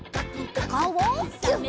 おかおをギュッ！